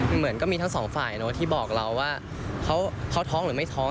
เหมือนก็มีทั้งสองฝ่ายที่บอกเราว่าเขาท้องหรือไม่ท้อง